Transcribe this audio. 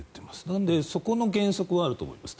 なのでそこの原則はあると思います。